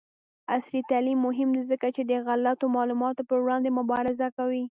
عصري تعلیم مهم دی ځکه چې د غلطو معلوماتو پر وړاندې مبارزه کوي.